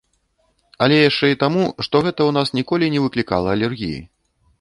Але яшчэ і таму, што гэта ў нас ніколі не выклікала алергіі.